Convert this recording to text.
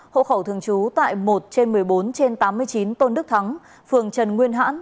hộ khẩu thường trú tại một trên một mươi bốn trên tám mươi chín tôn đức thắng phường trần nguyên hãn